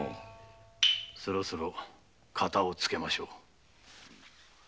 そろそろ片をつけましょう。